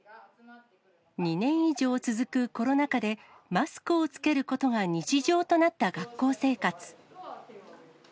２年以上続くコロナ禍で、マスクを着けることが日常となった学校生活。